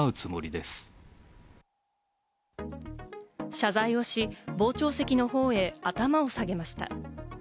謝罪をし、傍聴席の方へ頭を下げました。